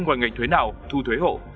ngoài ngành thuế nào thu thuế hộ